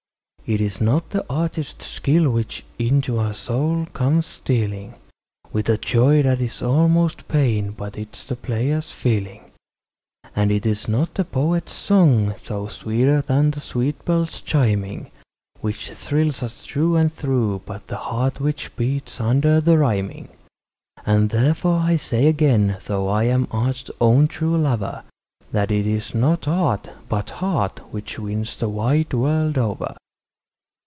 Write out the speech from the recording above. It is not the artist's skill which into our soul comes stealing With a joy that is almost pain, but it is the player's feeling. And it is not the poet's song, though sweeter than sweet bells chiming, Which thrills us through and through, but the heart which beats under the rhyming. And therefore I say again, though I am art's own true lover, That it is not art, but heart, which wins the wide world over.